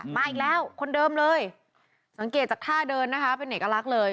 มาอีกแล้วคนเดิมเลยสังเกตจากท่าเดินนะคะเป็นเอกลักษณ์เลย